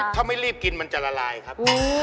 ถ้าไม่รีบกินมันจะละลายครับ